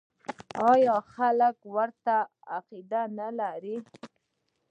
آیا خلک ورته عقیده نلري؟